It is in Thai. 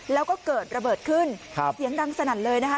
แล้วก็เกิดระเบิดขึ้นเสียงดังสนั่นเลยนะคะ